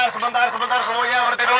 sebentar sebentar semuanya berdiri